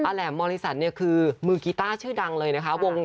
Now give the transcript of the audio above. อแหลมมศคือมือกีต้าชื่อดังเลยนะคะ